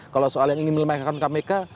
kalau soal yang ingin melemahkan kpk